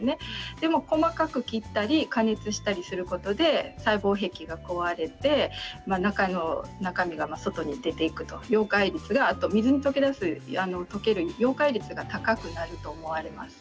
でも細かく切ったり加熱したりすることで細胞壁が壊れて中身が外に出ていく水に溶け出す溶解率が高くなると思われます。